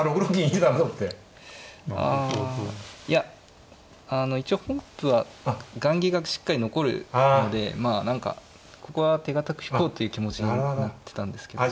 あいや一応本譜は雁木がしっかり残るのでまあ何かここは手堅く引こうという気持ちになってたんですけど。